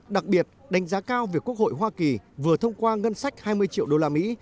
đặc biệt đánh giá cao việc quốc hội hoa kỳ vừa thông qua ngân sách hai mươi triệu đô la mỹ